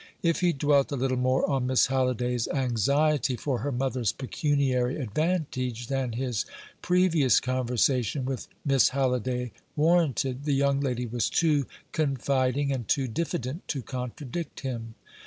If he dwelt a little more on Miss Halliday's anxiety for her mother's pecuniary advantage than his previous conversation with Miss Halliday warranted, the young lady was too confiding and too diffident to contradict him.